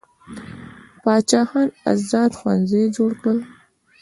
باچا خان ازاد ښوونځي جوړ کړل.